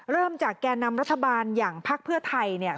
เริ่มจากแก่นำรัฐบาลอย่างภพเพื่อไทย